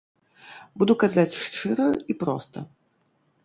Буду казаць шчыра і проста.